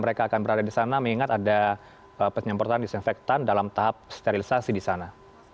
mereka akan berada di sana mengingat ada penyemprotan disinfektan dalam tahap sterilisasi di sana